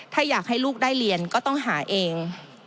ถ้าอยากให้ลูกได้เรียนก็ต้องหาเอง